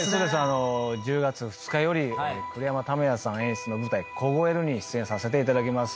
１０月２日より栗山民也さん演出の舞台『凍える』に出演させていただきます。